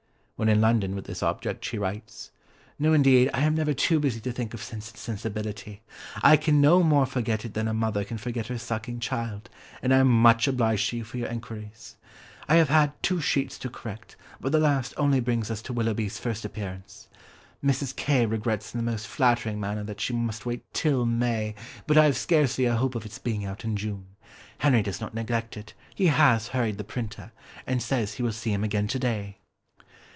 When in London with this object she writes, "No, indeed, I am never too busy to think of Sense and Sensibility. I can no more forget it than a mother can forget her sucking child, and I am much obliged to you for your enquiries. I have had two sheets to correct but the last only brings us to Willoughby's first appearance. Mrs. K. regrets in the most flattering manner that she must wait till May, but I have scarcely a hope of its being out in June. Henry does not neglect it; he has hurried the printer, and says he will see him again to day."